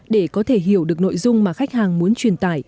để có thể hiểu được nội dung mà khách hàng muốn truyền tải